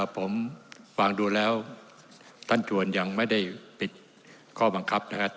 ผมฟังดูแล้วท่านชวนยังไม่ได้ปิดข้อบังคับนะครับ